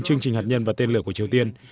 chương trình hạt nhân và tên lửa của triều tiên